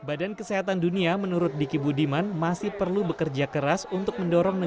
badan kesehatan dunia menurut diki budiman masih perlu bekerja keras untuk mendorong